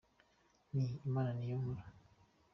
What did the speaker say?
Nti « Imana ni yo nkuru